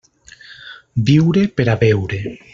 Viure per a veure.